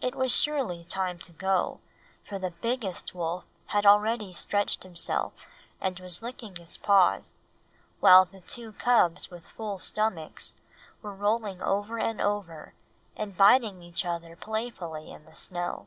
It was surely time to go, for the biggest wolf had already stretched himself and was licking his paws, while the two cubs with full stomachs were rolling over and over and biting each other playfully in the snow.